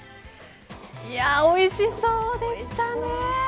おいしそうでしたね。